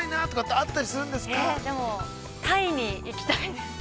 ◆えっでもタイに行きたいです。